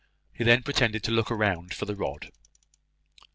He then pretended to look round for the rod.